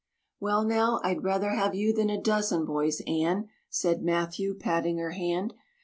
"Well now, I'd rather have you than a dozen boys, Anne," said Matthew patting her hand.